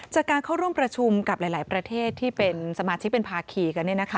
จากการเข้าร่วมประชุมกับหลายประเทศที่เป็นสมาชิกเป็นภาคีกัน